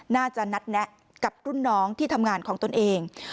น่าจะนัดแนะกับรุ่นน้องที่ทำงานของตนเอง